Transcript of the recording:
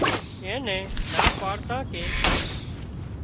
اين نين نا پاڙتان ڪي